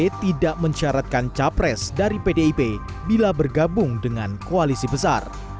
pdi tidak mencaratkan capres dari pdip bila bergabung dengan koalisi besar